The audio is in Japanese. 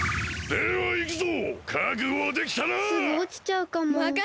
ではいくぞ！